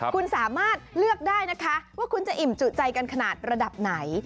คุณสามารถเลือกได้นะคะว่าคุณจะอิ่มจุใจกันขนาดระดับไหน